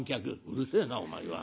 「うるせえなお前は。